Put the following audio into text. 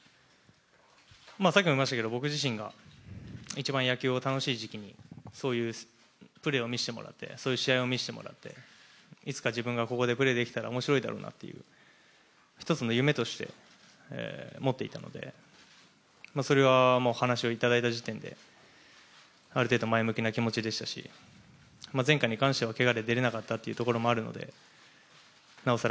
僕自身が一番野球を楽しい時期にそういうプレーを見せてもらってそういう試合を見せてもらって、いつか自分がここでプレーできたら面白いだろうなという、一つの夢として持っていたのでそれはお話をいただいた時点である程度、前向きな気持ちでしたし前回に関してはけがで出られなかったこともありましてなおさら